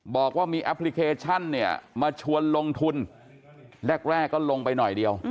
บอกว่ามีแอปพลิเคชันเนี่ยมาชวนลงทุนแรกก็ลงไปหน่อยเดียว